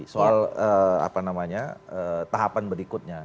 soal tahapan berikutnya